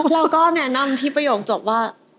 เราก็แนะนำที่ประโยคจบว่า